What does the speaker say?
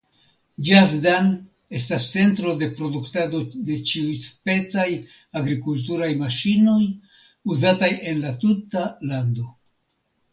Ĝasdan estas centro de produktado de ĉiuspecaj agrikulturaj maŝinoj uzataj en la tuta lando.